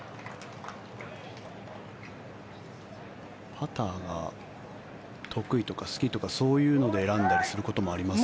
パターが得意とか好きとかそういうので選んだりすることもありますか？